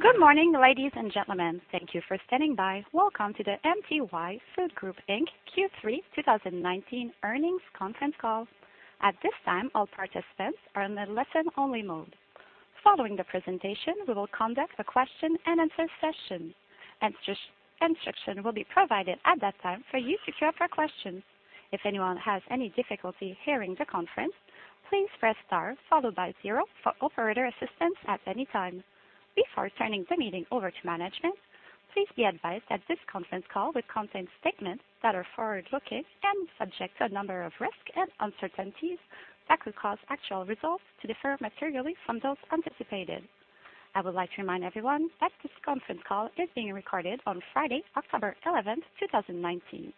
Good morning, ladies and gentlemen. Thank you for standing by. Welcome to the MTY Food Group Inc. Q3 2019 earnings conference call. At this time, all participants are in the listen only mode. Following the presentation, we will conduct a question and answer session. Instructions will be provided at that time for you to queue up your questions. If anyone has any difficulty hearing the conference, please press star followed by zero for operator assistance at any time. Before turning the meeting over to management, please be advised that this conference call will contain statements that are forward-looking and subject to a number of risks and uncertainties that could cause actual results to differ materially from those anticipated. I would like to remind everyone that this conference call is being recorded on Friday, October 11th, 2019.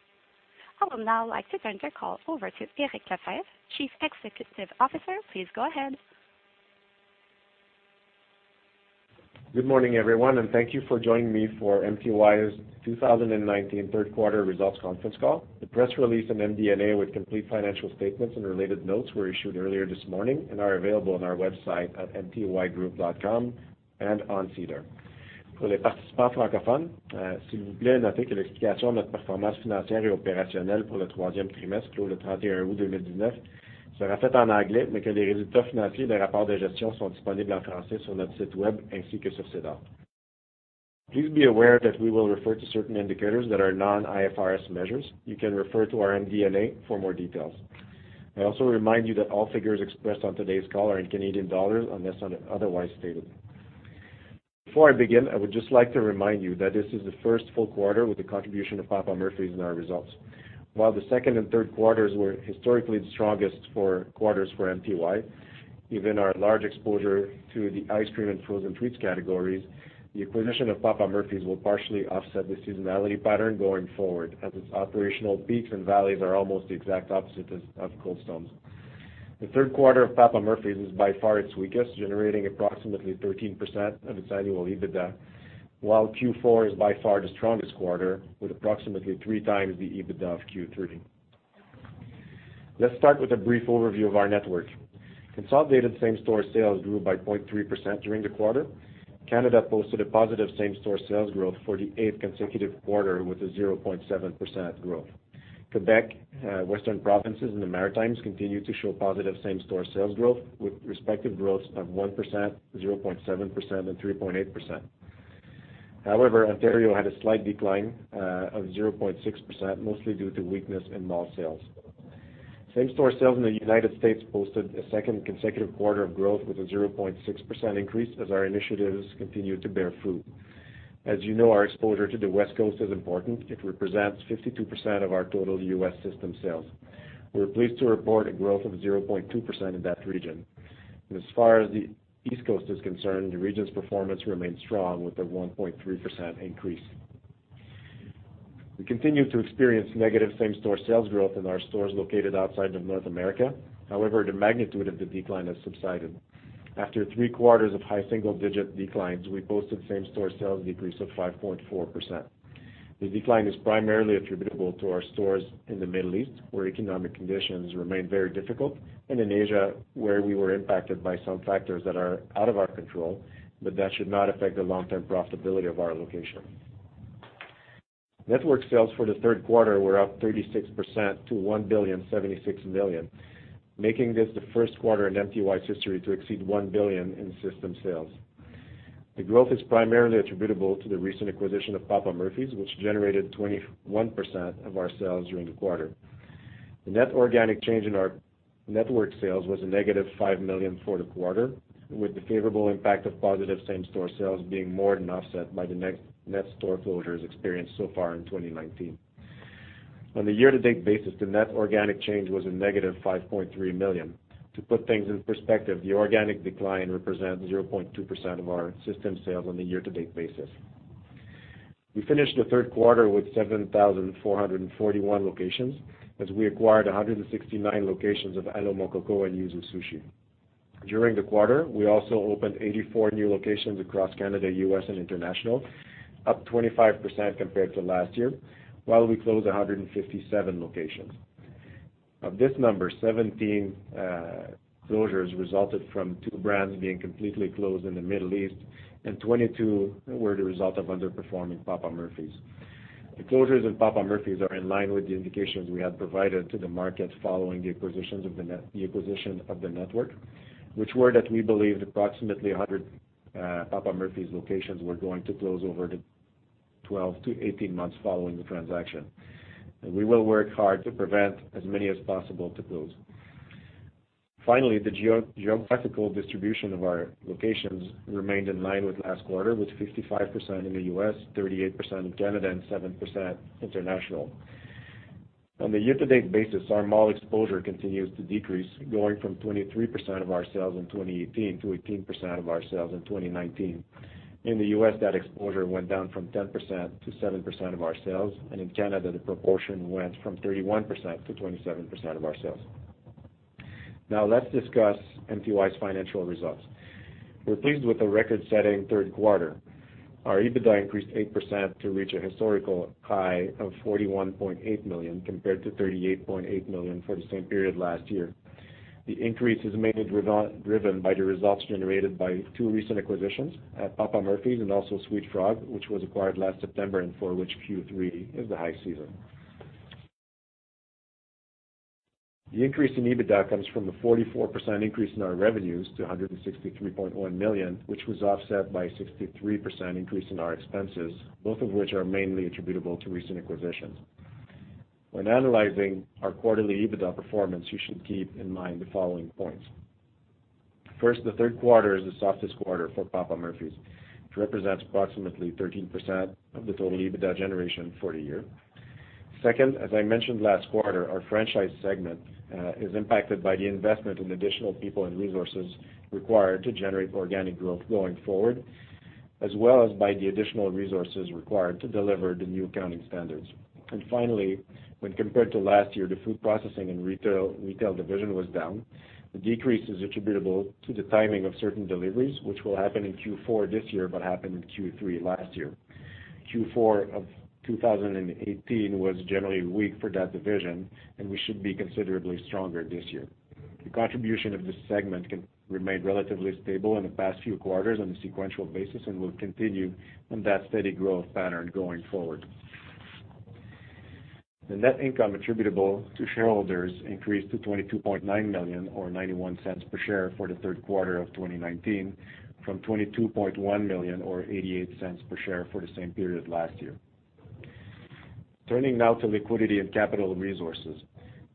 I would now like to turn the call over to Eric Lefebvre, Chief Executive Officer. Please go ahead. Good morning, everyone, and thank you for joining me for MTY's 2019 third quarter results conference call. The press release and MD&A with complete financial statements and related notes were issued earlier this morning and are available on our website at mtygroup.com and on SEDAR. Please be aware that we will refer to certain indicators that are non-IFRS measures. You can refer to our MD&A for more details. I also remind you that all figures expressed on today's call are in Canadian dollars unless otherwise stated. Before I begin, I just like to remind you that this is the first full quarter with the contribution of Papa Murphy's in our results. While the second and third quarters were historically the strongest quarters for MTY, given our large exposure to the ice cream and frozen treats categories, the acquisition of Papa Murphy's will partially offset the seasonality pattern going forward, as its operational peaks and valleys are almost the exact opposite of Cold Stone's. The third quarter of Papa Murphy's is by far its weakest, generating approximately 13% of its annual EBITDA, while Q4 is by far the strongest quarter, with approximately three times the EBITDA of Q3. Let's start with a brief overview of our network. Consolidated same-store sales grew by 0.3% during the quarter. Canada posted a positive same-store sales growth for the eighth consecutive quarter with a 0.7% growth. Quebec, Western provinces, and the Maritimes continue to show positive same-store sales growth with respective growths of 1%, 0.7%, and 3.8%. However, Ontario had a slight decline of 0.6%, mostly due to weakness in mall sales. Same-store sales in the U.S. posted a second consecutive quarter of growth with a 0.6% increase as our initiatives continued to bear fruit. As you know, our exposure to the West Coast is important. It represents 52% of our total U.S. system sales. We are pleased to report a growth of 0.2% in that region. As far as the East Coast is concerned, the region's performance remains strong with a 1.3% increase. We continue to experience negative same-store sales growth in our stores located outside of North America. However, the magnitude of the decline has subsided. After three quarters of high single-digit declines, we posted same-store sales decrease of 5.4%. The decline is primarily attributable to our stores in the Middle East, where economic conditions remain very difficult, and in Asia, where we were impacted by some factors that are out of our control, but that should not affect the long-term profitability of our location. Network sales for the third quarter were up 36% to 1.076 billion, making this the first quarter in MTY's history to exceed 1 billion in system sales. The growth is primarily attributable to the recent acquisition of Papa Murphy's, which generated 21% of our sales during the quarter. The net organic change in our network sales was a negative 5 million for the quarter, with the favorable impact of positive same-store sales being more than offset by the net store closures experienced so far in 2019. On the year-to-date basis, the net organic change was a negative 5.3 million. To put things in perspective, the organic decline represents 0.2% of our system sales on a year-to-date basis. We finished the third quarter with 7,441 locations as we acquired 169 locations of Allô! Mon Coco and Yuzu Sushi. During the quarter, we also opened 84 new locations across Canada, U.S., and international, up 25% compared to last year, while we closed 157 locations. Of this number, 17 closures resulted from two brands being completely closed in the Middle East, and 22 were the result of underperforming Papa Murphy's. The closures in Papa Murphy's are in line with the indications we had provided to the market following the acquisition of the network, which were that we believed approximately 100 Papa Murphy's locations were going to close over the 12-18 months following the transaction. We will work hard to prevent as many as possible to close. Finally, the geographical distribution of our locations remained in line with last quarter, with 55% in the U.S., 38% in Canada, and 7% international. On the year-to-date basis, our mall exposure continues to decrease, going from 23% of our sales in 2018 to 18% of our sales in 2019. In the U.S., that exposure went down from 10% to 7% of our sales, and in Canada, the proportion went from 31% to 27% of our sales. Now let's discuss MTY's financial results. We're pleased with the record-setting third quarter. Our EBITDA increased 8% to reach a historical high of 41.8 million compared to 38.8 million for the same period last year. The increase is mainly driven by the results generated by two recent acquisitions at Papa Murphy's and also sweetFrog, which was acquired last September and for which Q3 is the high season. The increase in EBITDA comes from the 44% increase in our revenues to 163.1 million, which was offset by 63% increase in our expenses, both of which are mainly attributable to recent acquisitions. When analyzing our quarterly EBITDA performance, you should keep in mind the following points. First, the third quarter is the softest quarter for Papa Murphy's. It represents approximately 13% of the total EBITDA generation for the year. Second, as I mentioned last quarter, our franchise segment is impacted by the investment in additional people and resources required to generate organic growth going forward, as well as by the additional resources required to deliver the new accounting standards. Finally, when compared to last year, the food processing and retail division was down. The decrease is attributable to the timing of certain deliveries, which will happen in Q4 this year but happened in Q3 last year. Q4 of 2018 was generally weak for that division, and we should be considerably stronger this year. The contribution of this segment remained relatively stable in the past few quarters on a sequential basis and will continue on that steady growth pattern going forward. The net income attributable to shareholders increased to 22.9 million or 0.91 per share for the third quarter of 2019 from 22.1 million or 0.88 per share for the same period last year. Turning now to liquidity and capital resources.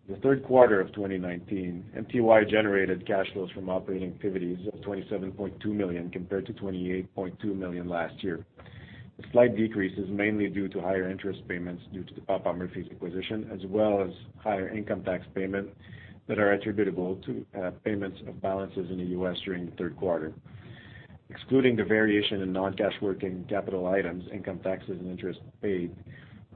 The third quarter of 2019, MTY generated cash flows from operating activities of 27.2 million compared to 28.2 million last year. The slight decrease is mainly due to higher interest payments due to the Papa Murphy's acquisition, as well as higher income tax payment that are attributable to payments of balances in the U.S. during the third quarter. Excluding the variation in non-cash working capital items, income taxes, and interest paid,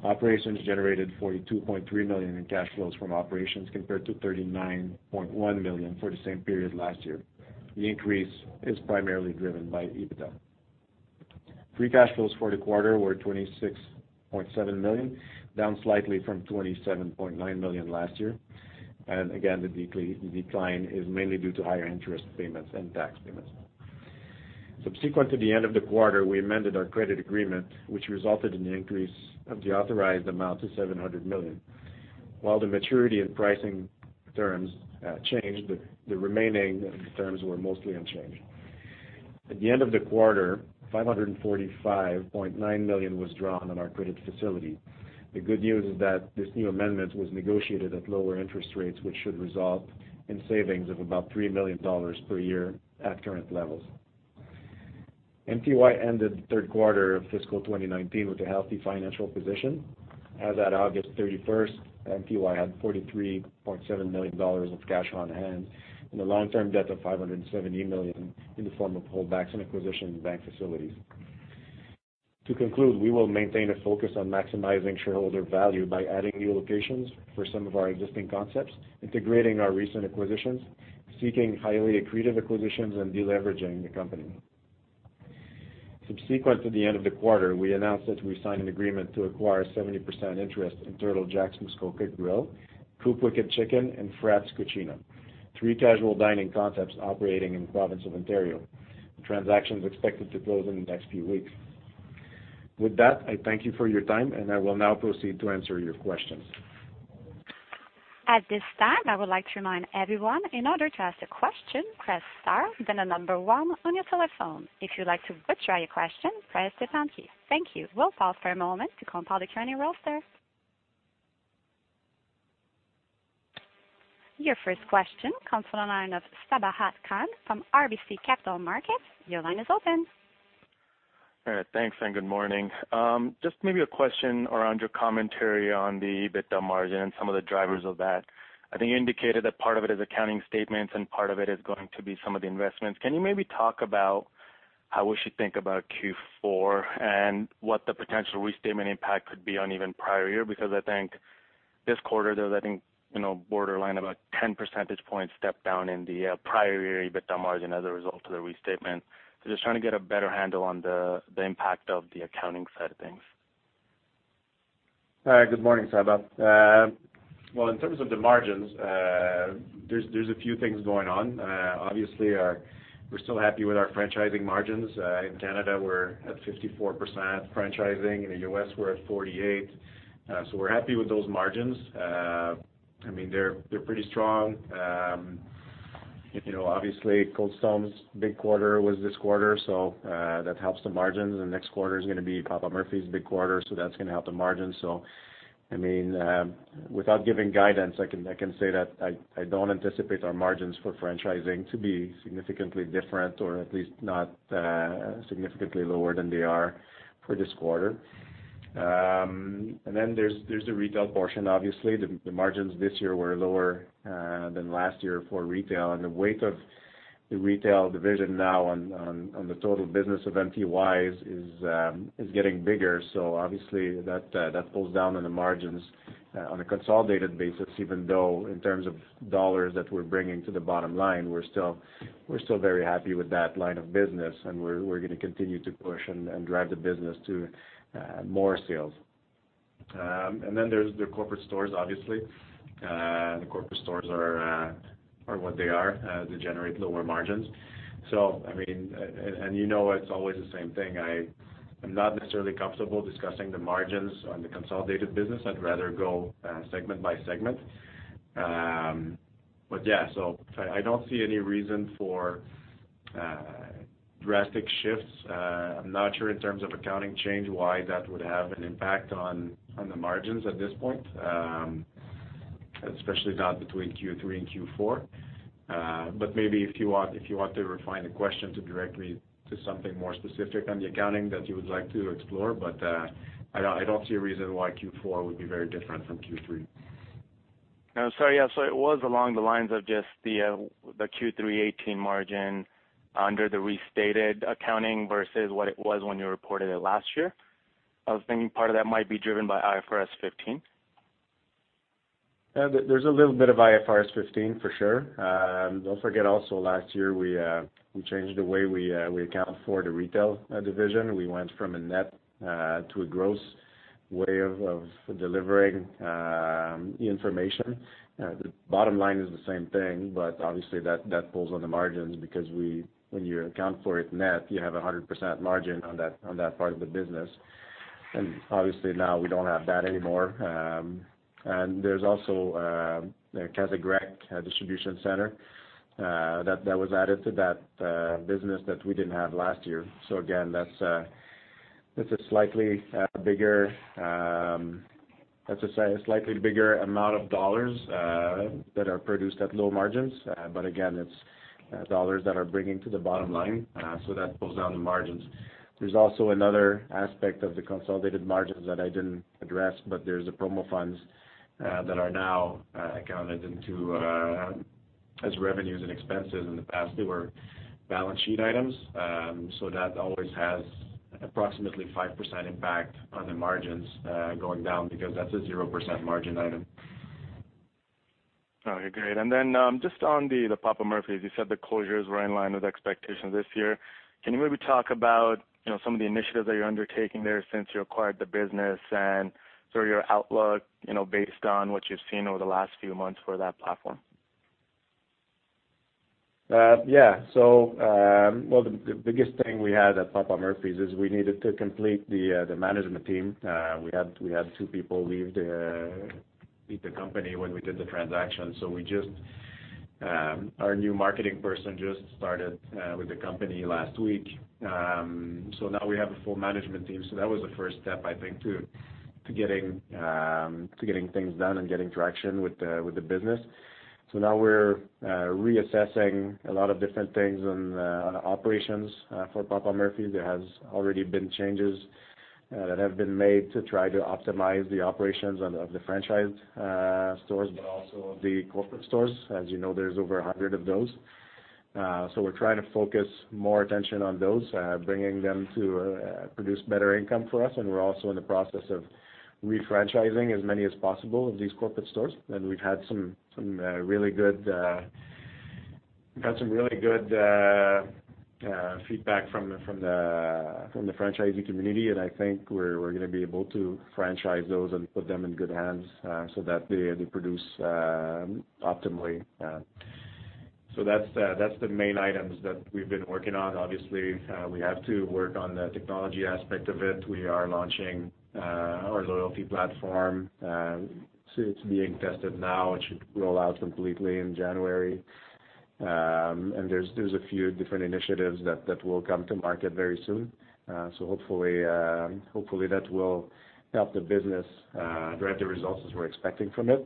operations generated 42.3 million in cash flows from operations compared to 39.1 million for the same period last year. The increase is primarily driven by EBITDA. Free cash flows for the quarter were 26.7 million, down slightly from 27.9 million last year. Again, the decline is mainly due to higher interest payments and tax payments. Subsequent to the end of the quarter, we amended our credit agreement, which resulted in the increase of the authorized amount to 700 million. While the maturity and pricing terms changed, the remaining terms were mostly unchanged. At the end of the quarter, 545.9 million was drawn on our credit facility. The good news is that this new amendment was negotiated at lower interest rates, which should result in savings of about 3 million dollars per year at current levels. MTY ended the third quarter of fiscal 2019 with a healthy financial position. As at August 31st, MTY had 43.7 million dollars of cash on hand and a long-term debt of 570 million in the form of holdbacks and acquisition bank facilities. To conclude, we will maintain a focus on maximizing shareholder value by adding new locations for some of our existing concepts, integrating our recent acquisitions, seeking highly accretive acquisitions, and de-leveraging the company. Subsequent to the end of the quarter, we announced that we signed an agreement to acquire 70% interest in Turtle Jack's Muskoka Grill, COOP Wicked Chicken, and Frat's Cucina, three casual dining concepts operating in the province of Ontario. The transaction is expected to close in the next few weeks. With that, I thank you for your time, and I will now proceed to answer your questions. At this time, I would like to remind everyone, in order to ask a question, press star then number 1 on your telephone. If you would like to withdraw your question, press the pound key. Thank you. We'll pause for a moment to compile the current roster. Your first question comes on the line of Sabahat Khan from RBC Capital Markets. Your line is open. All right. Thanks and good morning. Just maybe a question around your commentary on the EBITDA margin and some of the drivers of that. I think you indicated that part of it is accounting statements and part of it is going to be some of the investments. Can you maybe talk about how we should think about Q4 and what the potential restatement impact could be on even prior year? Because I think this quarter, there was, I think, borderline about 10 percentage points step down in the prior year EBITDA margin as a result of the restatement. Just trying to get a better handle on the impact of the accounting side of things. All right. Good morning, Sabahat. In terms of the margins, there's a few things going on. Obviously, we're still happy with our franchising margins. In Canada, we're at 54% franchising. In the U.S., we're at 48%. We're happy with those margins. They're pretty strong. Obviously, Cold Stone's big quarter was this quarter, so that helps the margins, and next quarter is going to be Papa Murphy's big quarter, so that's going to help the margins. Without giving guidance, I can say that I don't anticipate our margins for franchising to be significantly different or at least not significantly lower than they are for this quarter. Then there's the retail portion. Obviously, the margins this year were lower than last year for retail, and the weight of the retail division now on the total business of MTY's is getting bigger. Obviously, that pulls down on the margins on a consolidated basis, even though in terms of dollars that we're bringing to the bottom line, we're still very happy with that line of business and we're going to continue to push and drive the business to more sales. Then there's the corporate stores, obviously. The corporate stores are what they are. They generate lower margins. It's always the same thing. I'm not necessarily comfortable discussing the margins on the consolidated business. I'd rather go segment by segment. Yeah, I don't see any reason for drastic shifts. I'm not sure in terms of accounting change, why that would have an impact on the margins at this point, especially not between Q3 and Q4. Maybe if you want to refine the question to direct me to something more specific on the accounting that you would like to explore, but, I don't see a reason why Q4 would be very different from Q3. No, sorry. Yeah, it was along the lines of just the Q3 2018 margin under the restated accounting versus what it was when you reported it last year. I was thinking part of that might be driven by IFRS 15. There's a little bit of IFRS 15, for sure. Don't forget also last year, we changed the way we account for the retail division. We went from a net to a gross way of delivering the information. The bottom line is the same thing, but obviously that pulls on the margins because when you account for it net, you have 100% margin on that part of the business. Obviously now we don't have that anymore. There's also Casa Grecque distribution center that was added to that business that we didn't have last year. Again, that's a slightly bigger amount of dollars that are produced at low margins. Again, it's dollars that are bringing to the bottom line, so that pulls down the margins. There's also another aspect of the consolidated margins that I didn't address, but there's the promo funds that are now accounted into as revenues and expenses. In the past, they were balance sheet items. That always has approximately 5% impact on the margins going down because that's a 0% margin item. Okay, great. Just on the Papa Murphy's, you said the closures were in line with expectations this year. Can you maybe talk about some of the initiatives that you're undertaking there since you acquired the business and sort of your outlook, based on what you've seen over the last few months for that platform? The biggest thing we had at Papa Murphy's is we needed to complete the management team. We had two people leave the company when we did the transaction. Our new marketing person just started with the company last week. Now we have a full management team. That was the first step, I think, to getting things done and getting traction with the business. Now we're reassessing a lot of different things on the operations for Papa Murphy's. There has already been changes that have been made to try to optimize the operations of the franchise stores, but also of the corporate stores. As you know, there's over 100 of those. We're trying to focus more attention on those, bringing them to produce better income for us, and we're also in the process of refranchising as many as possible of these corporate stores. We've had some really good feedback from the franchisee community, and I think we're going to be able to franchise those and put them in good hands so that they produce optimally. That's the main items that we've been working on. Obviously, we have to work on the technology aspect of it. We are launching our loyalty platform. It's being tested now. It should roll out completely in January. There's a few different initiatives that will come to market very soon. Hopefully, that will help the business drive the results as we're expecting from it.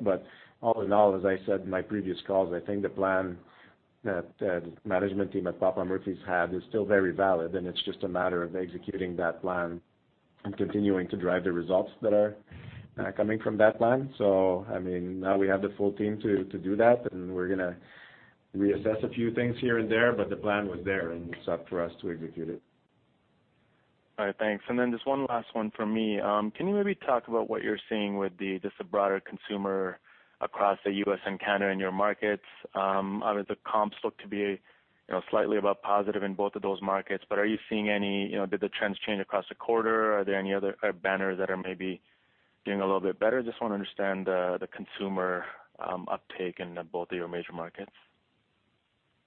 All in all, as I said in my previous calls, I think the plan that the management team at Papa Murphy's had is still very valid, and it's just a matter of executing that plan and continuing to drive the results that are coming from that plan. Now we have the full team to do that, and we're going to reassess a few things here and there, but the plan was there, and it's up for us to execute it. All right. Thanks. Just one last one from me. Can you maybe talk about what you're seeing with just the broader consumer across the U.S. and Canada in your markets? Obviously, comps look to be slightly above positive in both of those markets. Did the trends change across the quarter? Are there any other banners that are maybe doing a little bit better? I just want to understand the consumer uptake in both of your major markets.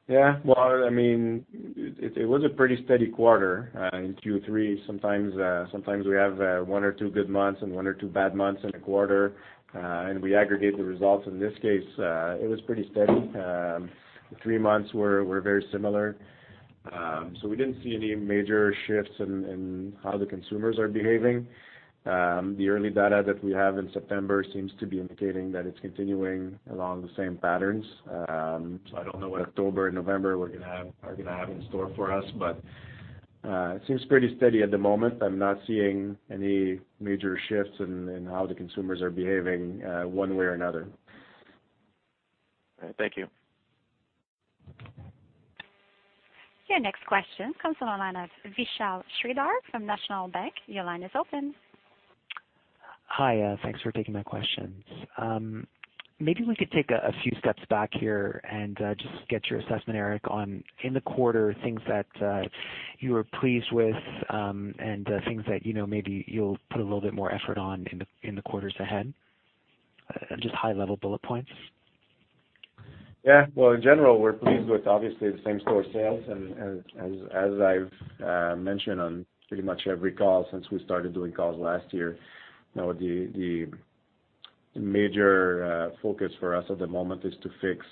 Yeah. It was a pretty steady quarter in Q3. Sometimes we have one or two good months and one or two bad months in a quarter, and we aggregate the results. In this case, it was pretty steady. The three months were very similar. We didn't see any major shifts in how the consumers are behaving. The early data that we have in September seems to be indicating that it's continuing along the same patterns. I don't know what October and November are going to have in store for us, but it seems pretty steady at the moment. I'm not seeing any major shifts in how the consumers are behaving one way or another. All right. Thank you. Your next question comes on the line of Vishal Shreedhar from National Bank. Your line is open. Hi, thanks for taking my questions. Maybe we could take a few steps back here and just get your assessment, Eric, on in the quarter, things that you were pleased with, and things that maybe you'll put a little bit more effort on in the quarters ahead. Just high-level bullet points. Well, in general, we're pleased with, obviously, the same-store sales, and as I've mentioned on pretty much every call since we started doing calls last year, the major focus for us at the moment is to fix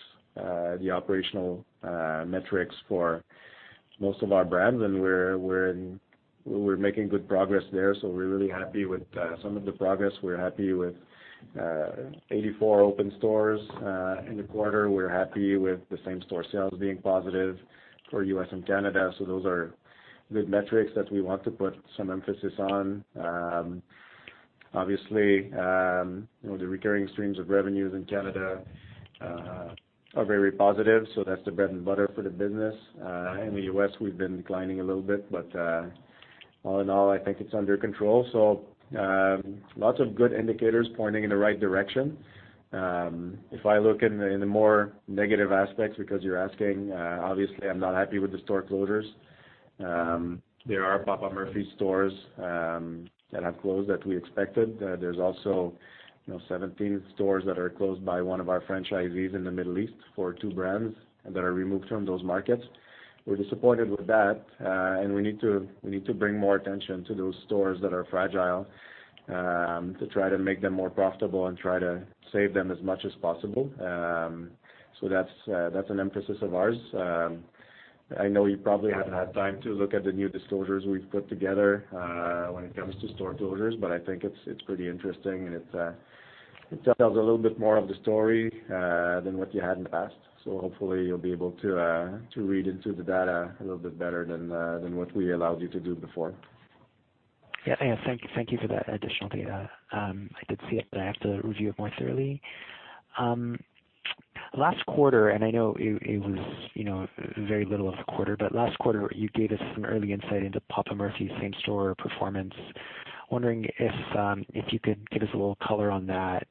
the operational metrics for most of our brands, and we're making good progress there. We're really happy with some of the progress. We're happy with 84 open stores in the quarter. We're happy with the same-store sales being positive for U.S. and Canada. Those are good metrics that we want to put some emphasis on. Obviously, the recurring streams of revenues in Canada are very positive. That's the bread and butter for the business. In the U.S., we've been declining a little bit. All in all, I think it's under control. Lots of good indicators pointing in the right direction. If I look in the more negative aspects, because you're asking, obviously, I'm not happy with the store closures. There are Papa Murphy's stores that have closed that we expected. There is also 17 stores that are closed by one of our franchisees in the Middle East for two brands that are removed from those markets. We are disappointed with that. We need to bring more attention to those stores that are fragile, to try to make them more profitable and try to save them as much as possible. That is an emphasis of ours. I know you probably haven't had time to look at the new disclosures we have put together when it comes to store closures, but I think it is pretty interesting, and it tells a little bit more of the story than what you had in the past. Hopefully you'll be able to read into the data a little bit better than what we allowed you to do before. Yeah. Thank you for that additional data. I did see it, but I have to review it more thoroughly. Last quarter, and I know it was very little of a quarter, but last quarter, you gave us some early insight into Papa Murphy's same-store performance. Wondering if you could give us a little color on that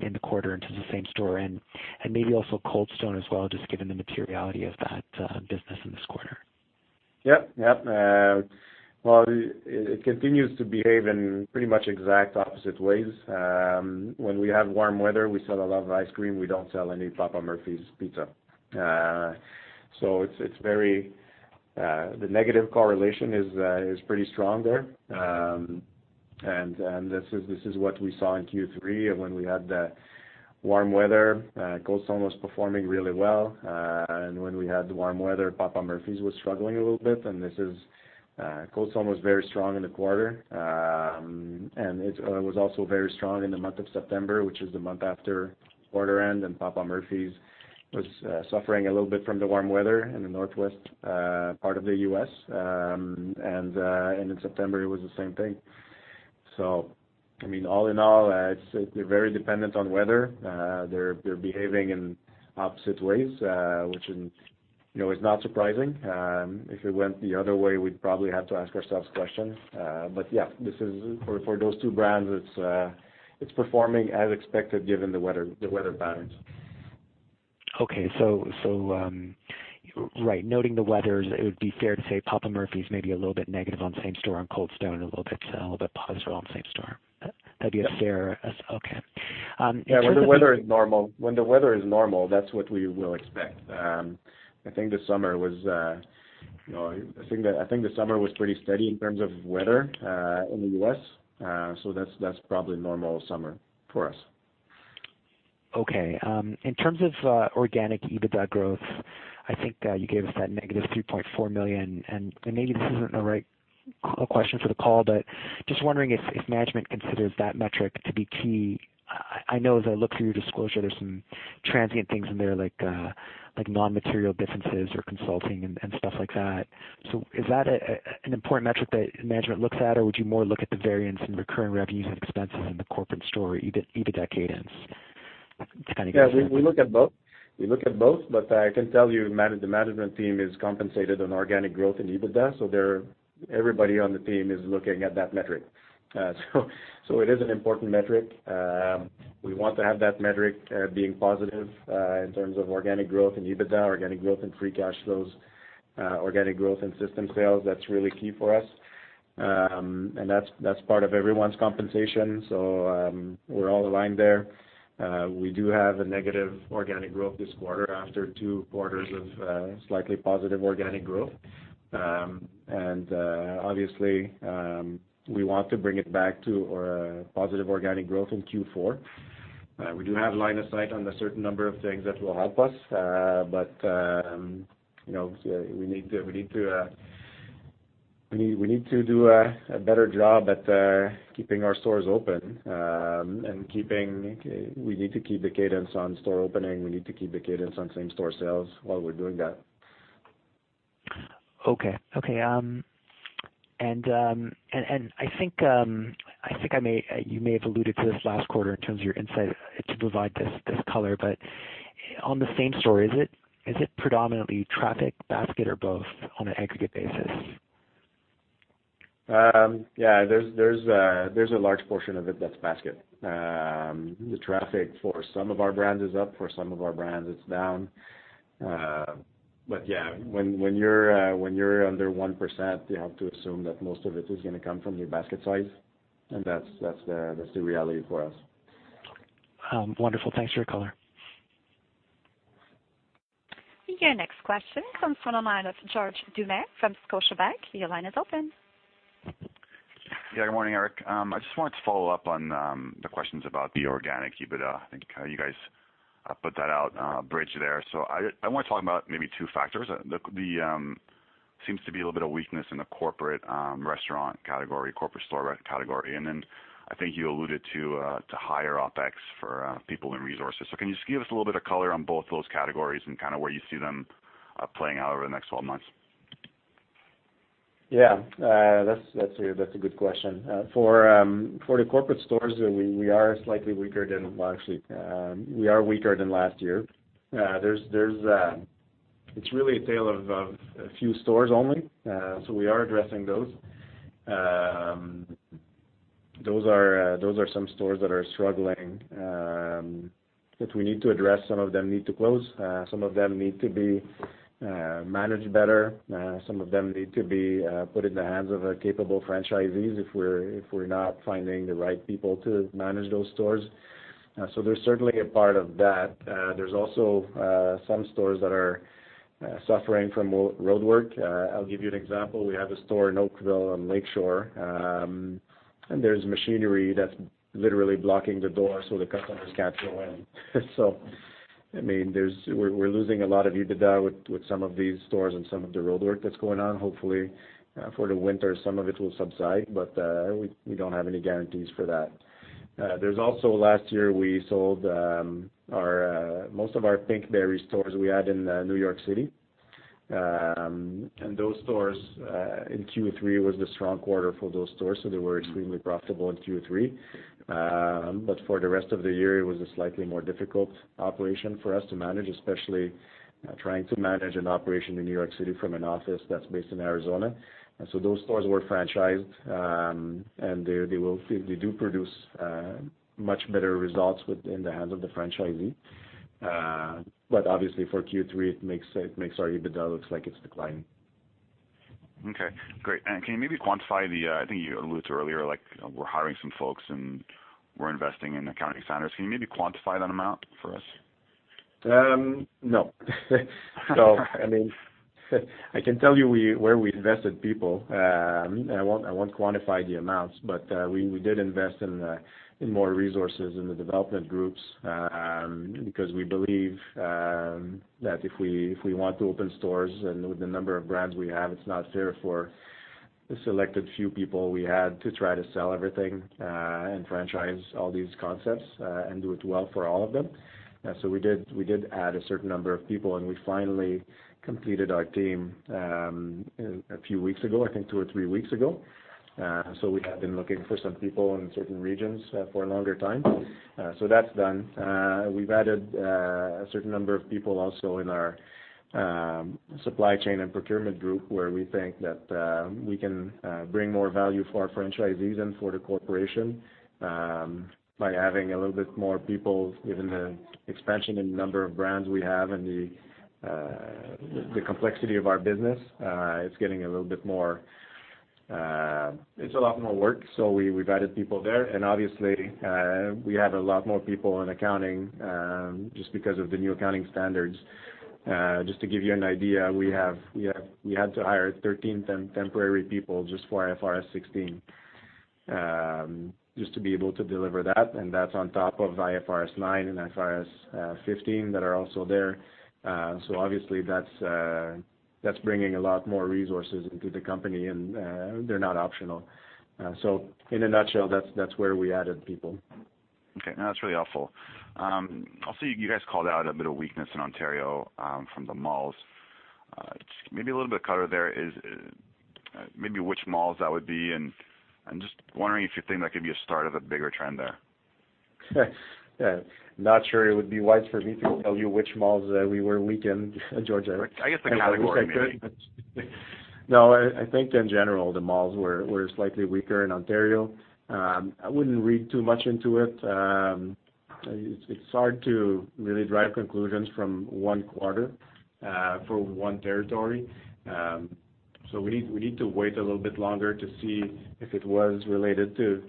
in the quarter in terms of same-store and maybe also Cold Stone as well, just given the materiality of that business in this quarter. Yep. Well, it continues to behave in pretty much exact opposite ways. When we have warm weather, we sell a lot of ice cream. We don't sell any Papa Murphy's Pizza. The negative correlation is pretty strong there. This is what we saw in Q3 of when we had the warm weather. Cold Stone was performing really well. When we had the warm weather, Papa Murphy's was struggling a little bit. Cold Stone was very strong in the quarter. It was also very strong in the month of September, which is the month after quarter end, and Papa Murphy's was suffering a little bit from the warm weather in the northwest part of the U.S. In September, it was the same thing. I mean, all in all, they're very dependent on weather. They're behaving in opposite ways, which is not surprising. If it went the other way, we'd probably have to ask ourselves questions. Yeah, for those two brands, it's performing as expected given the weather patterns. Right. Noting the weather, it would be fair to say Papa Murphy's may be a little bit negative on same-store and Cold Stone, a little bit positive on same-store. Yeah Okay. Yeah. When the weather is normal, that's what we will expect. I think the summer was pretty steady in terms of weather in the U.S., so that's probably normal summer for us. Okay. In terms of organic EBITDA growth, I think you gave us that negative 3.4 million, and maybe this isn't the right question for the call, but just wondering if management considers that metric to be key. I know as I look through your disclosure, there's some transient things in there like non-material differences or consulting and stuff like that. Is that an important metric that management looks at, or would you more look at the variance in recurring revenues and expenses in the corporate store EBITDA cadence to kind of get a sense of. Yeah, we look at both. We look at both, but I can tell you the management team is compensated on organic growth in EBITDA, so everybody on the team is looking at that metric. It is an important metric. We want to have that metric being positive, in terms of organic growth in EBITDA, organic growth in free cash flows, organic growth in system sales. That's really key for us. That's part of everyone's compensation, so we're all aligned there. We do have a negative organic growth this quarter after two quarters of slightly positive organic growth. Obviously, we want to bring it back to a positive organic growth in Q4. We do have line of sight on a certain number of things that will help us. We need to do a better job at keeping our stores open. We need to keep the cadence on store opening. We need to keep the cadence on same-store sales while we're doing that. Okay. I think you may have alluded to this last quarter in terms of your insight to provide this color, but on the same store, is it predominantly traffic, basket, or both on an aggregate basis? Yeah, there's a large portion of it that's basket. The traffic for some of our brands is up, for some of our brands, it's down. Yeah, when you're under 1%, you have to assume that most of it is going to come from your basket size, and that's the reality for us. Wonderful. Thanks for your color. Your next question comes from the line of George Doumet from Scotiabank. Your line is open. Good morning, Eric. I just wanted to follow up on the questions about the organic EBITDA. I think you guys put that out bridge there. I want to talk about maybe two factors. There seems to be a little bit of weakness in the corporate restaurant category, corporate store category, and then I think you alluded to higher OpEx for people and resources. Can you just give us a little bit of color on both those categories and where you see them playing out over the next 12 months? Yeah. That's a good question. For the corporate stores, we are slightly weaker, well, actually, we are weaker than last year. It's really a tale of a few stores only. We are addressing those. Those are some stores that are struggling, that we need to address. Some of them need to close, some of them need to be managed better, some of them need to be put in the hands of capable franchisees if we're not finding the right people to manage those stores. There's certainly a part of that. There's also some stores that are suffering from roadwork. I'll give you an example. We have a store in Oakville on Lakeshore, and there's machinery that's literally blocking the door so the customers can't go in. We're losing a lot of EBITDA with some of these stores and some of the roadwork that's going on. Hopefully, for the winter, some of it will subside, but we don't have any guarantees for that. There's also, last year, we sold most of our Pinkberry stores we had in New York City. Those stores in Q3 was the strong quarter for those stores, so they were extremely profitable in Q3. For the rest of the year, it was a slightly more difficult operation for us to manage, especially trying to manage an operation in New York City from an office that's based in Arizona. Those stores were franchised, and they do produce much better results within the hands of the franchisee. Obviously for Q3, it makes our EBITDA looks like it's declining. Okay. Great. I think you alluded to earlier, we're hiring some folks, and we're investing in accounting standards. Can you maybe quantify that amount for us? No. I can tell you where we invested people. I won't quantify the amounts, but we did invest in more resources in the development groups, because we believe that if we want to open stores and with the number of brands we have, it's not fair for the selected few people we had to try to sell everything, and franchise all these concepts, and do it well for all of them. We did add a certain number of people, and we finally completed our team a few weeks ago, I think two or three weeks ago. We had been looking for some people in certain regions for a longer time. That's done. We've added a certain number of people also in our supply chain and procurement group, where we think that we can bring more value for our franchisees and for the corporation by adding a little bit more people, given the expansion in the number of brands we have and the complexity of our business. It's a lot more work, we've added people there. Obviously, we have a lot more people in accounting, just because of the new accounting standards. Just to give you an idea, we had to hire 13 temporary people just for IFRS 16, just to be able to deliver that, and that's on top of IFRS 9 and IFRS 15 that are also there. Obviously that's bringing a lot more resources into the company, and they're not optional. In a nutshell, that's where we added people. Okay. No, that's really helpful. You guys called out a bit of weakness in Ontario from the malls. Just maybe a little bit of color there is, maybe which malls that would be. I'm just wondering if you think that could be a start of a bigger trend there. Not sure it would be wise for me to tell you which malls we were weak in, George. I guess the category, maybe. No, I think in general, the malls were slightly weaker in Ontario. I wouldn't read too much into it. It's hard to really drive conclusions from one quarter for one territory. We need to wait a little bit longer to see if it was related to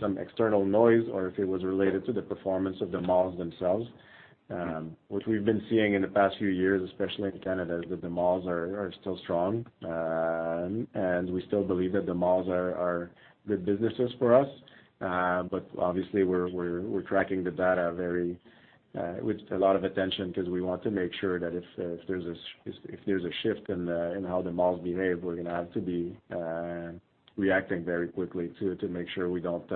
some external noise or if it was related to the performance of the malls themselves. What we've been seeing in the past few years, especially in Canada, is that the malls are still strong, and we still believe that the malls are good businesses for us. Obviously, we're tracking the data with a lot of attention because we want to make sure that if there's a shift in how the malls behave, we're going to have to be reacting very quickly to it to make sure we don't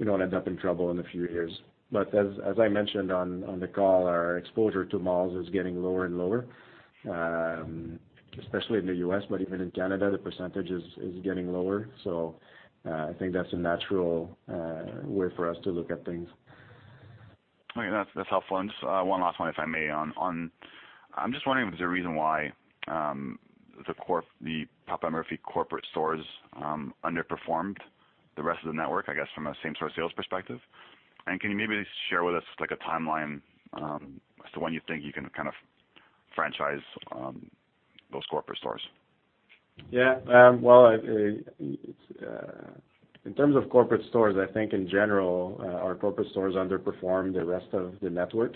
end up in trouble in a few years. As I mentioned on the call, our exposure to malls is getting lower and lower, especially in the U.S., even in Canada, the percentage is getting lower. I think that's a natural way for us to look at things. Okay, that's helpful. Just one last one, if I may. I'm just wondering if there's a reason why the Papa Murphy's corporate stores underperformed the rest of the network, I guess, from a same-store sales perspective. Can you maybe share with us a timeline as to when you think you can franchise those corporate stores? Yeah. Well, in terms of corporate stores, I think in general, our corporate stores underperform the rest of the network.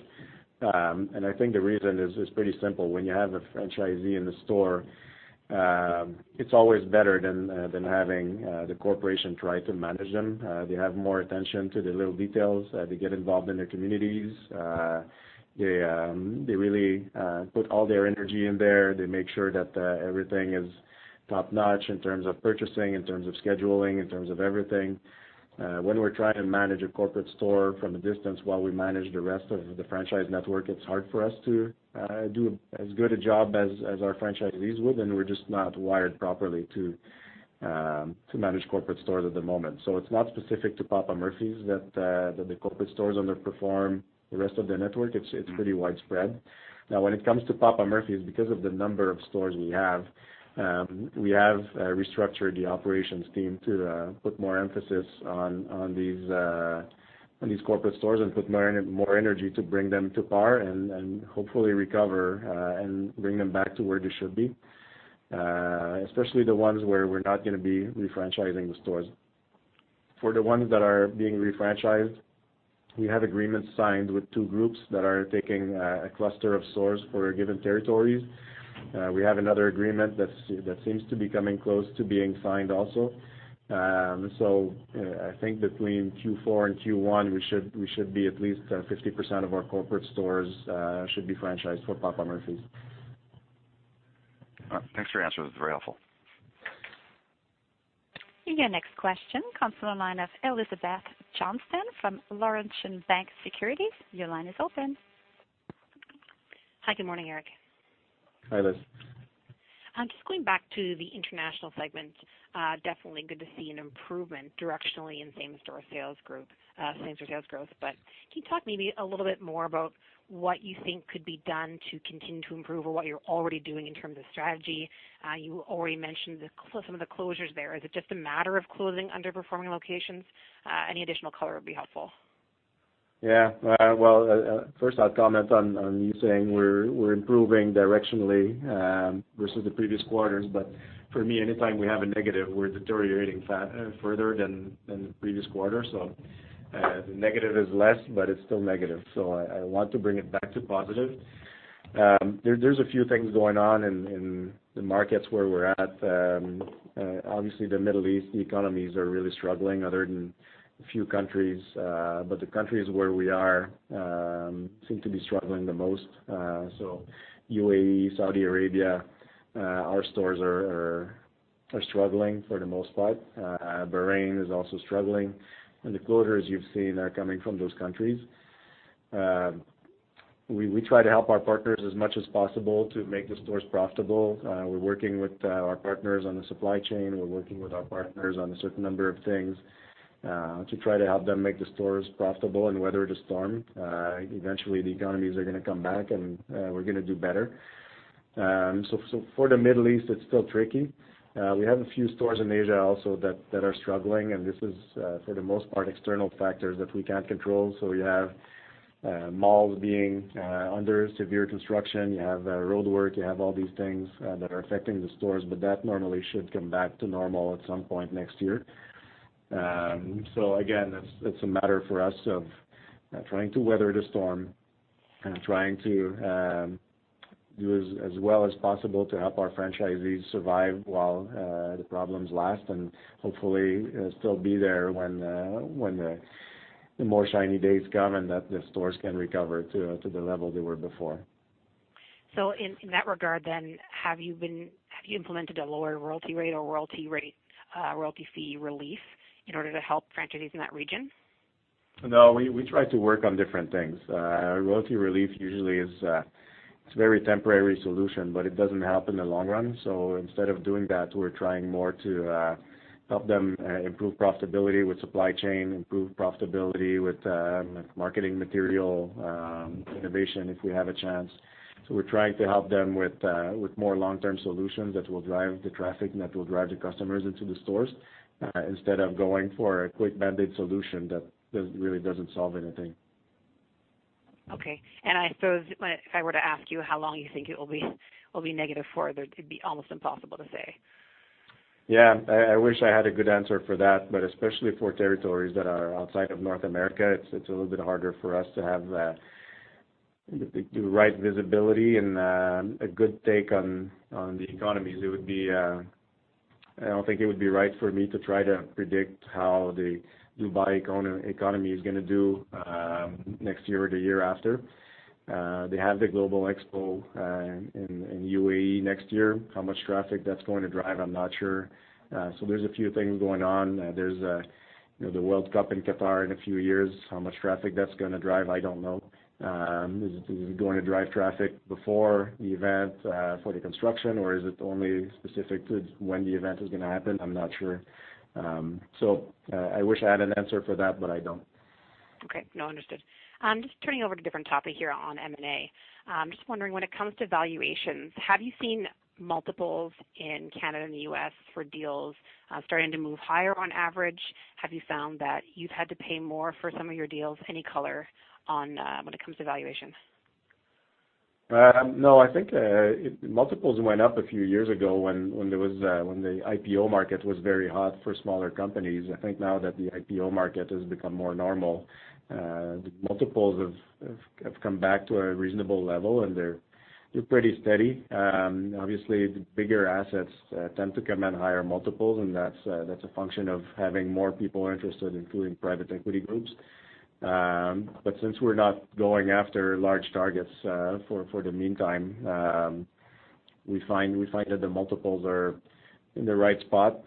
I think the reason is pretty simple. When you have a franchisee in the store, it's always better than having the corporation try to manage them. They have more attention to the little details. They get involved in their communities. They really put all their energy in there. They make sure that everything is top-notch in terms of purchasing, in terms of scheduling, in terms of everything. When we're trying to manage a corporate store from a distance while we manage the rest of the franchise network, it's hard for us to do as good a job as our franchisees would, and we're just not wired properly to manage corporate stores at the moment. It's not specific to Papa Murphy's that the corporate stores underperform the rest of the network. It's pretty widespread. When it comes to Papa Murphy's, because of the number of stores we have, we have restructured the operations team to put more emphasis on these corporate stores and put more energy to bring them to par and hopefully recover, and bring them back to where they should be, especially the ones where we're not going to be refranchising the stores. For the ones that are being refranchised, we have agreements signed with two groups that are taking a cluster of stores for given territories. We have another agreement that seems to be coming close to being signed also. I think between Q4 and Q1, we should be at least 50% of our corporate stores should be franchised for Papa Murphy's. All right. Thanks for your answer. This was very helpful. Your next question comes from the line of Elizabeth Johnston from Laurentian Bank Securities. Your line is open. Hi, good morning, Eric. Hi, Liz. Just going back to the international segment, definitely good to see an improvement directionally in same-store sales growth. Can you talk maybe a little bit more about what you think could be done to continue to improve or what you're already doing in terms of strategy? You already mentioned some of the closures there. Is it just a matter of closing underperforming locations? Any additional color would be helpful. Well, first I'll comment on you saying we're improving directionally versus the previous quarters. For me, anytime we have a negative, we're deteriorating further than the previous quarter. The negative is less, but it's still negative. I want to bring it back to positive. There's a few things going on in the markets where we're at. Obviously, the Middle East economies are really struggling, other than a few countries. The countries where we are seem to be struggling the most. UAE, Saudi Arabia, our stores are struggling for the most part. Bahrain is also struggling, and the closures you've seen are coming from those countries. We try to help our partners as much as possible to make the stores profitable. We're working with our partners on the supply chain. We're working with our partners on a certain number of things, to try to help them make the stores profitable and weather the storm. Eventually, the economies are going to come back, and we're going to do better. For the Middle East, it's still tricky. We have a few stores in Asia also that are struggling, and this is for the most part, external factors that we can't control. You have malls being under severe construction, you have roadwork, you have all these things that are affecting the stores, but that normally should come back to normal at some point next year. Again, it's a matter for us of trying to weather the storm and trying to do as well as possible to help our franchisees survive while the problems last, and hopefully still be there when the more shiny days come, and that the stores can recover to the level they were before. In that regard, have you implemented a lower royalty rate or royalty fee relief in order to help franchisees in that region? No, we try to work on different things. Royalty relief usually is a very temporary solution, but it doesn't help in the long run. Instead of doing that, we're trying more to help them improve profitability with supply chain, improve profitability with marketing material, innovation, if we have a chance. We're trying to help them with more long-term solutions that will drive the traffic and that will drive the customers into the stores, instead of going for a quick Band-Aid solution that really doesn't solve anything. Okay. I suppose if I were to ask you how long you think it will be negative for, it'd be almost impossible to say. Yeah. I wish I had a good answer for that, especially for territories that are outside of North America, it's a little bit harder for us to have the right visibility and a good take on the economies. I don't think it would be right for me to try to predict how the Dubai economy is going to do next year or the year after. They have the World Expo in UAE next year. How much traffic that's going to drive, I'm not sure. There's a few things going on. There's the World Cup in Qatar in a few years. How much traffic that's going to drive, I don't know. Is it going to drive traffic before the event for the construction, or is it only specific to when the event is going to happen? I'm not sure. I wish I had an answer for that, but I don't. Okay. No, understood. Just turning over to a different topic here on M&A. Just wondering, when it comes to valuations, have you seen multiples in Canada and the U.S. for deals starting to move higher on average? Have you found that you've had to pay more for some of your deals? Any color when it comes to valuation? No, I think multiples went up a few years ago when the IPO market was very hot for smaller companies. I think now that the IPO market has become more normal, the multiples have come back to a reasonable level and they're pretty steady. Obviously, the bigger assets tend to command higher multiples, and that's a function of having more people interested, including private equity groups. Since we're not going after large targets for the meantime, we find that the multiples are in the right spot.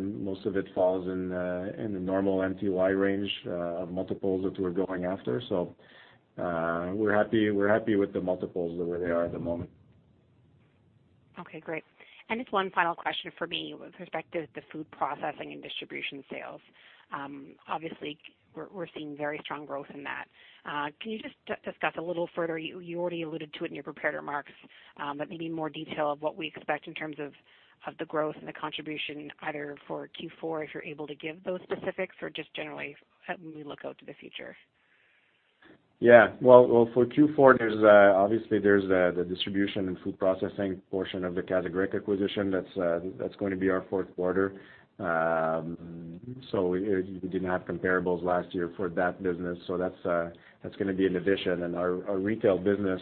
Most of it falls in the normal MTY range of multiples that we're going after. We're happy with the multiples the way they are at the moment. Okay, great. Just one final question from me with respect to the food processing and distribution sales. Obviously, we're seeing very strong growth in that. Can you just discuss a little further, you already alluded to it in your prepared remarks, but maybe more detail of what we expect in terms of the growth and the contribution either for Q4, if you're able to give those specifics, or just generally, helping me look out to the future? Well, for Q4, obviously there's the distribution and food processing portion of the Kahala acquisition that's going to be our fourth quarter. We did not have comparables last year for that business. That's going to be an addition, and our retail business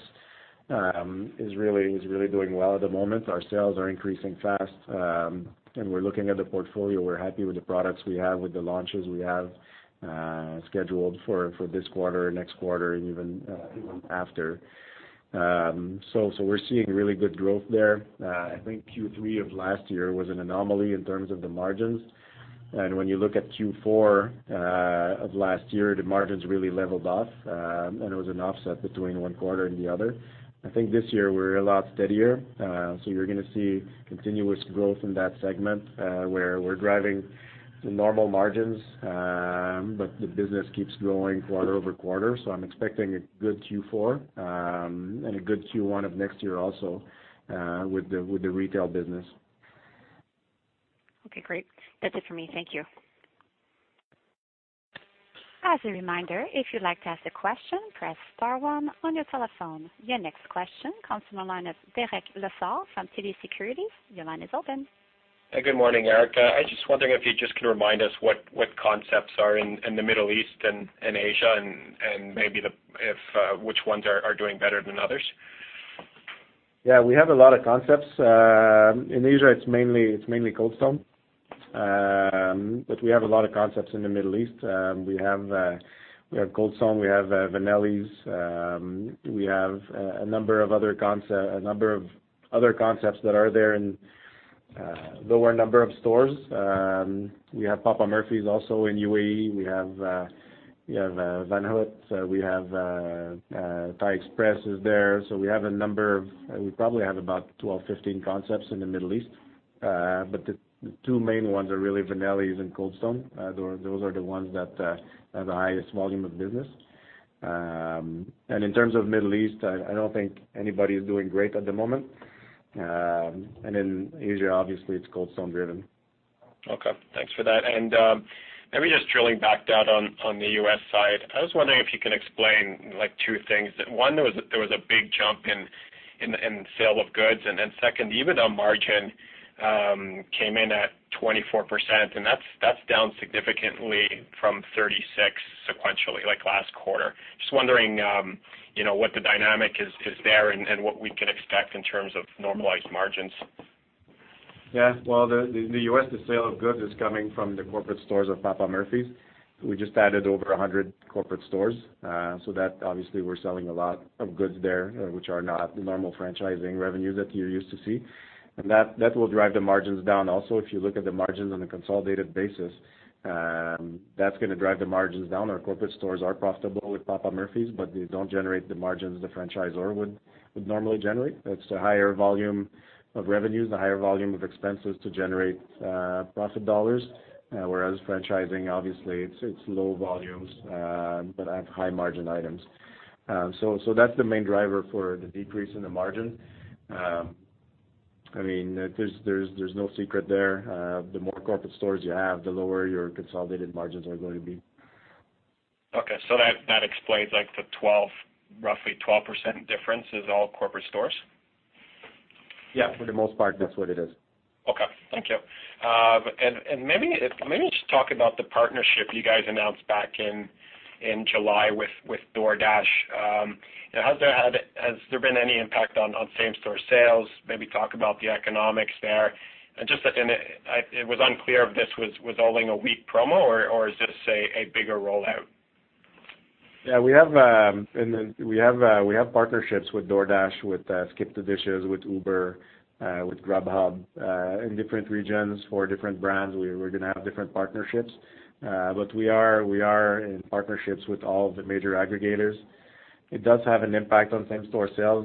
is really doing well at the moment. Our sales are increasing fast, and we're looking at the portfolio. We're happy with the products we have, with the launches we have scheduled for this quarter, next quarter, and even after. We're seeing really good growth there. I think Q3 of last year was an anomaly in terms of the margins. When you look at Q4 of last year, the margins really leveled off, and it was an offset between one quarter and the other. I think this year we're a lot steadier. You're going to see continuous growth in that segment, where we're driving the normal margins, but the business keeps growing quarter-over-quarter. I'm expecting a good Q4, and a good Q1 of next year also, with the retail business. Okay, great. That's it for me. Thank you. As a reminder, if you'd like to ask a question, press *1 on your telephone. Your next question comes from the line of Derek Lessard from TD Securities. Your line is open. Good morning, Eric. I was just wondering if you just can remind us what concepts are in the Middle East and in Asia, and maybe which ones are doing better than others? Yeah, we have a lot of concepts. In Asia, it's mainly Cold Stone. We have a lot of concepts in the Middle East. We have Cold Stone, we have Vanellis, we have a number of other concepts that are there in lower number of stores. We have Papa Murphy's also in UAE. We have Van Houtte. Thai Express is there. We probably have about 12, 15 concepts in the Middle East. The two main ones are really Vanellis and Cold Stone. Those are the ones that have the highest volume of business. In terms of Middle East, I don't think anybody is doing great at the moment. In Asia, obviously, it's Cold Stone driven. Okay, thanks for that. Maybe just drilling back down on the U.S. side, I was wondering if you can explain two things. One, there was a big jump in sale of goods. Second, even on margin, came in at 24%, and that's down significantly from 36% sequentially, like last quarter. Just wondering what the dynamic is there. What we can expect in terms of normalized margins. Well, in the U.S., the sale of goods is coming from the corporate stores of Papa Murphy's. We just added over 100 corporate stores. That obviously we're selling a lot of goods there, which are not the normal franchising revenues that you're used to see. That will drive the margins down. Also, if you look at the margins on a consolidated basis, that's going to drive the margins down. Our corporate stores are profitable with Papa Murphy's, they don't generate the margins the franchisor would normally generate. It's a higher volume of revenues, a higher volume of expenses to generate profit dollars. Whereas franchising, obviously, it's low volumes, but have high margin items. That's the main driver for the decrease in the margin. There's no secret there. The more corporate stores you have, the lower your consolidated margins are going to be. Okay. That explains the roughly 12% difference is all corporate stores? Yeah, for the most part, that's what it is. Okay. Thank you. Maybe just talk about the partnership you guys announced back in July with DoorDash. Has there been any impact on same-store sales? Maybe talk about the economics there. It was unclear if this was only a week promo or is this a bigger rollout? Yeah, we have partnerships with DoorDash, with SkipTheDishes, with Uber, with Grubhub. In different regions for different brands, we're going to have different partnerships. We are in partnerships with all the major aggregators. It does have an impact on same-store sales.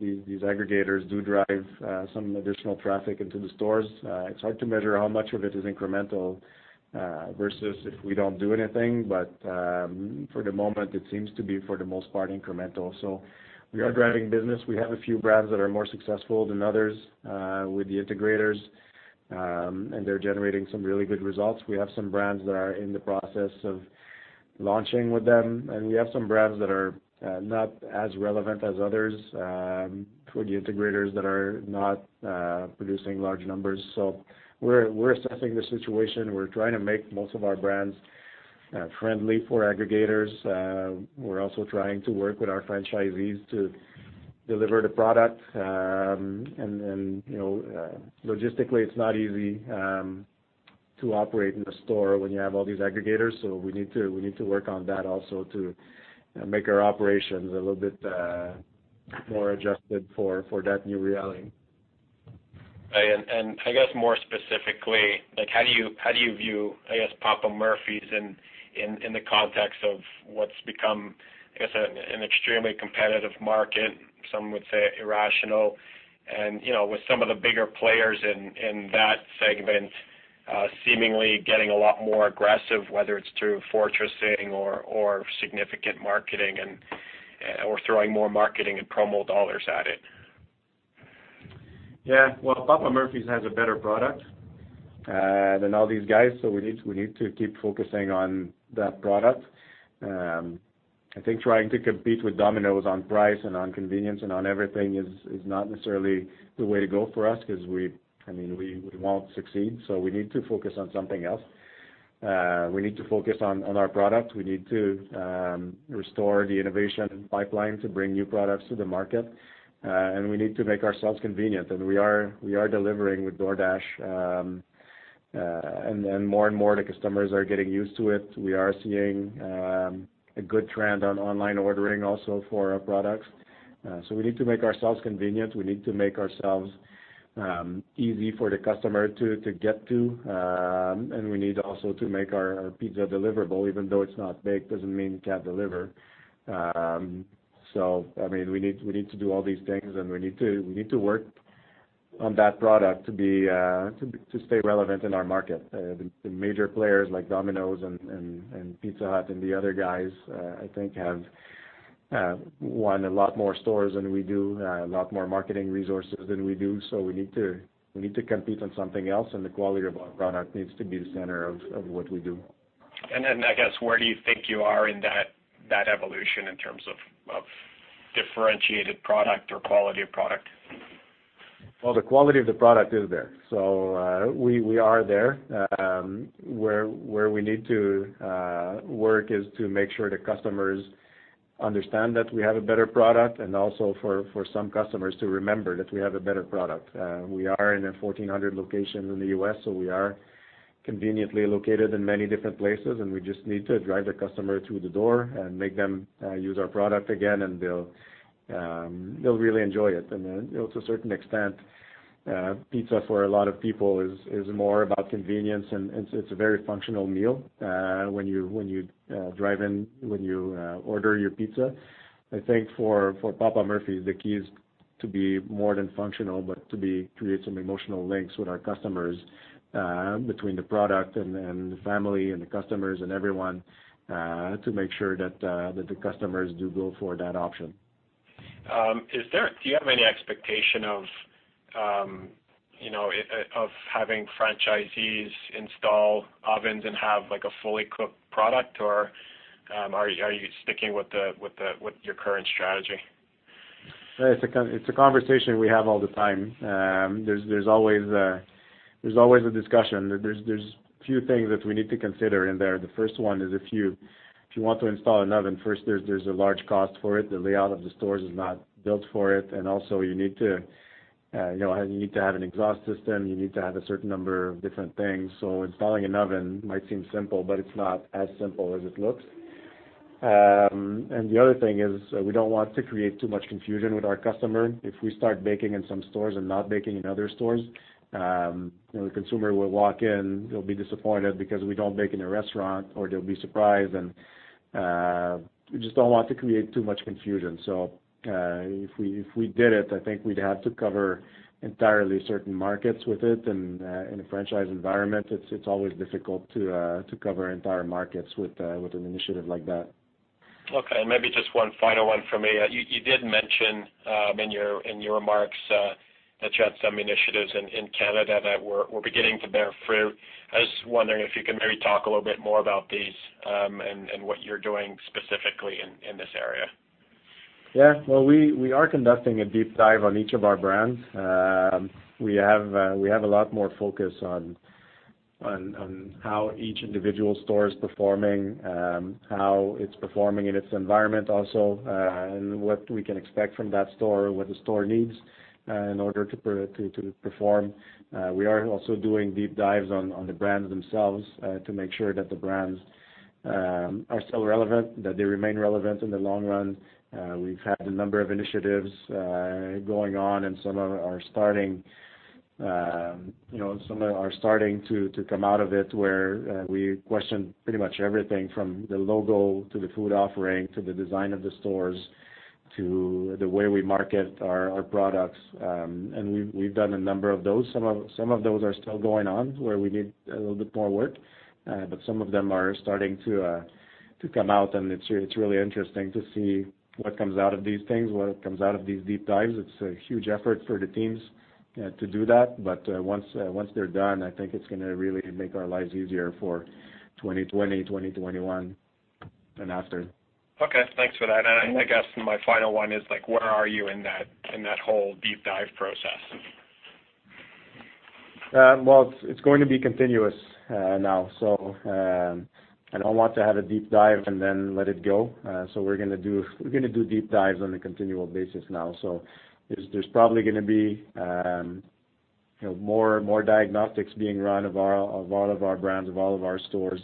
These aggregators do drive some additional traffic into the stores. It's hard to measure how much of it is incremental versus if we don't do anything, but for the moment, it seems to be, for the most part, incremental. We are driving business. We have a few brands that are more successful than others with the integrators, and they're generating some really good results. We have some brands that are in the process of launching with them, and we have some brands that are not as relevant as others for the integrators that are not producing large numbers. We're assessing the situation. We're trying to make most of our brands friendly for aggregators. We're also trying to work with our franchisees to deliver the product. Logistically, it's not easy to operate in the store when you have all these aggregators, so we need to work on that also to make our operations a little bit more adjusted for that new reality. I guess more specifically, how do you view, I guess Papa Murphy's in the context of what's become, I guess an extremely competitive market, some would say irrational, and with some of the bigger players in that segment seemingly getting a lot more aggressive, whether it's through fortressing or significant marketing or throwing more marketing and promo dollars at it? Well, Papa Murphy's has a better product than all these guys, so we need to keep focusing on that product. I think trying to compete with Domino's on price and on convenience and on everything is not necessarily the way to go for us because we won't succeed. We need to focus on something else. We need to focus on our product. We need to restore the innovation pipeline to bring new products to the market. We need to make ourselves convenient, and we are delivering with DoorDash, and more and more, the customers are getting used to it. We are seeing a good trend on online ordering also for our products. We need to make ourselves convenient. We need to make ourselves easy for the customer to get to. We need also to make our pizza deliverable. Even though it's not baked, doesn't mean you can't deliver. We need to do all these things, and we need to work on that product to stay relevant in our market. The major players like Domino's and Pizza Hut and the other guys, I think, have won a lot more stores than we do, a lot more marketing resources than we do. We need to compete on something else, and the quality of our product needs to be the center of what we do. I guess, where do you think you are in that evolution in terms of differentiated product or quality of product? The quality of the product is there. We are there. Where we need to work is to make sure the customers understand that we have a better product and also for some customers to remember that we have a better product. We are in a 1,400 location in the U.S., so we are conveniently located in many different places, and we just need to drive the customer through the door and make them use our product again, and they'll really enjoy it. To a certain extent, pizza for a lot of people is more about convenience, and it's a very functional meal when you drive in, when you order your pizza. I think for Papa Murphy's, the key is to be more than functional, but to create some emotional links with our customers between the product and the family and the customers and everyone, to make sure that the customers do go for that option. Do you have any expectation of having franchisees install ovens and have a fully cooked product, or are you sticking with your current strategy? It's a conversation we have all the time. There's always a discussion. There's few things that we need to consider in there. The first one is if you want to install an oven, first, there's a large cost for it. The layout of the stores is not built for it. Also you need to have an exhaust system. You need to have a certain number of different things. Installing an oven might seem simple, but it's not as simple as it looks. The other thing is we don't want to create too much confusion with our customer. If we start baking in some stores and not baking in other stores, the consumer will walk in, they'll be disappointed because we don't bake in a restaurant, or they'll be surprised, and we just don't want to create too much confusion. If we did it, I think we'd have to cover entirely certain markets with it, and in a franchise environment, it's always difficult to cover entire markets with an initiative like that. Okay, maybe just one final one from me. You did mention in your remarks that you had some initiatives in Canada that were beginning to bear fruit. I was wondering if you could maybe talk a little bit more about these, and what you're doing specifically in this area. Yeah. Well, we are conducting a deep dive on each of our brands. We have a lot more focus on how each individual store is performing, how it's performing in its environment also, and what we can expect from that store, what the store needs in order to perform. We are also doing deep dives on the brands themselves to make sure that the brands are still relevant, that they remain relevant in the long run. We've had a number of initiatives going on, and some are starting to come out of it where we question pretty much everything from the logo to the food offering, to the design of the stores, to the way we market our products. We've done a number of those. Some of those are still going on where we need a little bit more work. Some of them are starting to come out, and it's really interesting to see what comes out of these things, what comes out of these deep dives. It's a huge effort for the teams to do that. Once they're done, I think it's going to really make our lives easier for 2020, 2021 and after. Okay, thanks for that. I guess my final one is, where are you in that whole deep dive process? Well, it's going to be continuous now. I don't want to have a deep dive and then let it go. We're going to do deep dives on a continual basis now. There's probably going to be more diagnostics being run of all of our brands, of all of our stores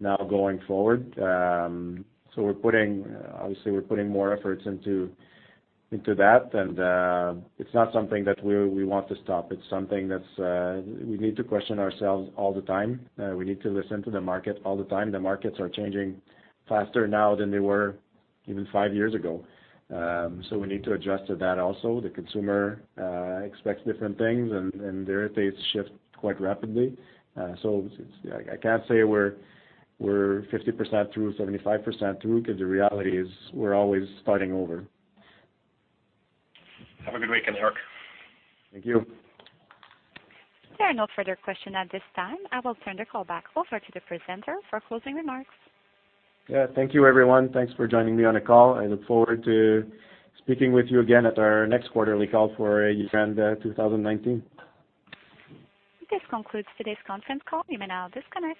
now going forward. Obviously, we're putting more efforts into that, and it's not something that we want to stop. It's something that we need to question ourselves all the time. We need to listen to the market all the time. The markets are changing faster now than they were even five years ago. We need to adjust to that also. The consumer expects different things, and their tastes shift quite rapidly. I can't say we're 50% through, 75% through, because the reality is we're always starting over. Have a great week in New York. Thank you. There are no further question at this time. I will turn the call back over to the presenter for closing remarks. Yeah. Thank you, everyone. Thanks for joining me on the call. I look forward to speaking with you again at our next quarterly call for year-end 2019. This concludes today's conference call. You may now disconnect.